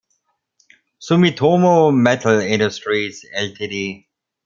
Sumitomo Metal Industries Ltd.